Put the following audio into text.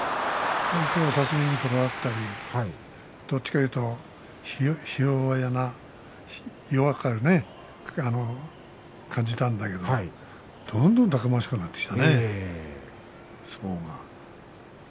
最初は差し身にこだわったりねどっちかっていうとひ弱な感じがあったんだけどもどんどんたくましくなってきたね相撲が。